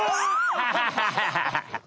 ハハハハハ！